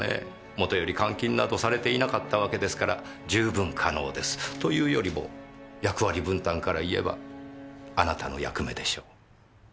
元より監禁などされていなかったわけですから十分可能です。というよりも役割分担から言えばあなたの役目でしょ。